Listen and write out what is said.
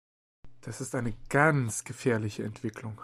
Das ist eine ganz gefährliche Entwicklung.